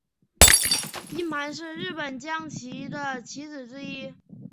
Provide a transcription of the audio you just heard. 鸠盘是日本将棋的棋子之一。